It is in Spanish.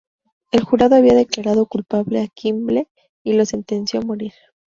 El jurado había declarado culpable a Kimble y lo sentenció a morir.